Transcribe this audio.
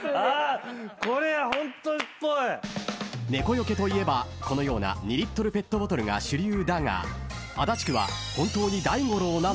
［猫よけといえばこのような２リットルペットボトルが主流だが足立区は］